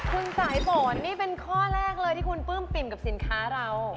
คุณสายฝนนี่เป็นข้อแรกเลยที่คุณปลื้มปิ่มกับสินค้าเรา